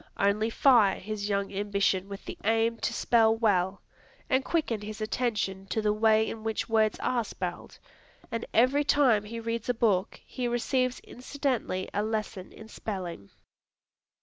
Only fire his young ambition with the aim to spell well, and quicken his attention to the way in which words are spelled, and every time he reads a book he receives incidentally a lesson in spelling.